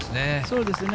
そうですね。